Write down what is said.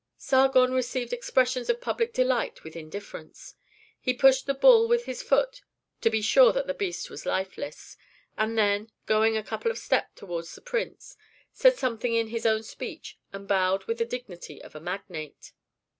Sargon received expressions of public delight with indifference. He pushed the bull with his foot to be sure that the beast was lifeless; and then, going a couple of steps toward the prince, said something in his own speech, and bowed with the dignity of a magnate.